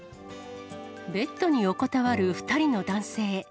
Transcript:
ベッドに横たわる２人の男性。